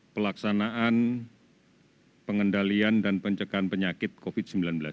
pelaksanaan pengendalian dan pencegahan penyakit covid sembilan belas